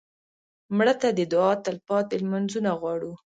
مړه ته د دعا تلپاتې لمونځونه غواړو